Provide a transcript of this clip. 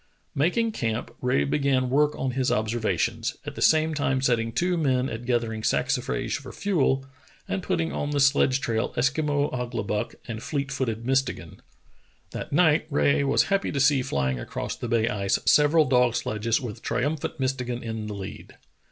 Making camp, Rae began work on his observations, at the same time setting two men at gathering saxi frage for fuel, and putting on the sledge trail Eskimo Ouglibuck and fleet footed Mistegan. That night Rae was happy to see flying across the bay ice several dog sledges with triumphant Mistegan in the lead.